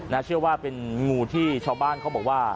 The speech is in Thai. เชื่อว่าเป็นงูที่ชาวบ้านเขาบอกว่า